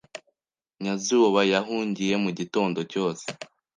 Nyazuba yahugiye mugitondo cyose.